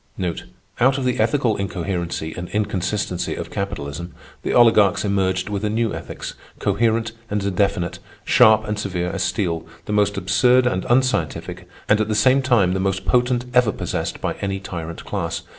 Out of the ethical incoherency and inconsistency of capitalism, the oligarchs emerged with a new ethics, coherent and definite, sharp and severe as steel, the most absurd and unscientific and at the same time the most potent ever possessed by any tyrant class.